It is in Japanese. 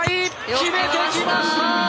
決めてきました！